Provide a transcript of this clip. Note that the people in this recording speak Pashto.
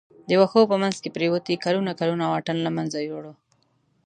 د وښو په منځ کې پروتې کلونه کلونه واټن له منځه یووړ.